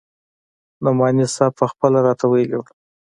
نعماني صاحب پخپله راته ويلي وو.